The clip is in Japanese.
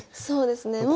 そうですね。